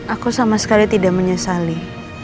aku sama sekali tidak menyesali